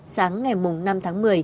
sáng ngày năm tháng một mươi